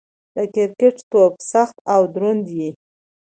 د کرکټ توپ سخت او دروند يي.